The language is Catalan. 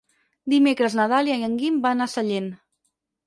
Dimecres na Dàlia i en Guim van a Sallent.